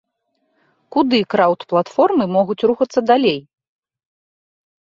Куды краўд-платформы могуць рухацца далей?